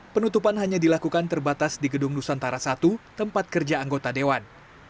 penutupan hanya dilakukan terbatas di gedung nusantara i tempat kerja anggota dewan